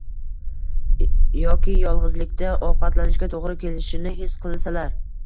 yoki yolg‘izlikda ovqatlanishga to‘g‘ri kelishini his qilsalar